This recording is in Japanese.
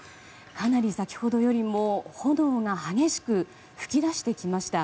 かなり先ほどよりも炎が激しく噴き出してきました。